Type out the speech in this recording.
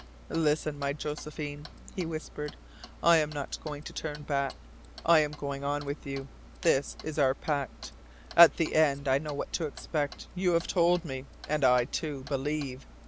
"Listen, my Josephine," he whispered. "I am not going to turn back, I am going on with you. That is our pact. At the end I know what to expect. You have told me; and I, too, believe.